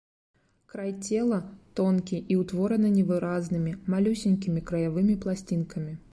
Край цела тонкі і ўтвораны невыразнымі, малюсенькімі краявымі пласцінкамі.